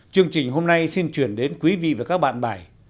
chương trình hôm nay xin chuyển đến quý vị và các bạn bài